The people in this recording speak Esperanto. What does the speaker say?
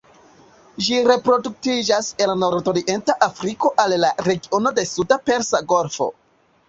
Ĝi reproduktiĝas el nordorienta Afriko al la regiono de suda Persa Golfo.